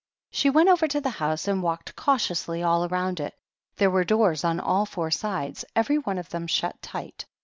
She went over to the house and walked cau tiously all round it ; there were doors on all the four sides, every one of them shut tight.